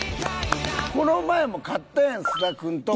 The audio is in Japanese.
この前も買ったやん菅田君と。